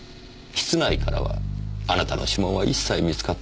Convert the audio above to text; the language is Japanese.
室内からはあなたの指紋は一切見つかっていません。